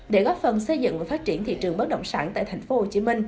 để góp phần xây dựng và phát triển thị trường bất động sản tại tp hcm